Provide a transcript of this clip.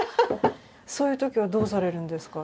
そういう時はどうされるんですか？